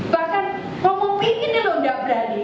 bahkan ngomong pingin itu tidak berani